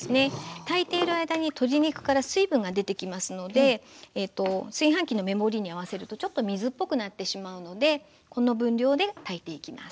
炊いている間に鶏肉から水分が出てきますので炊飯器の目盛りに合わせるとちょっと水っぽくなってしまうのでこの分量で炊いていきます。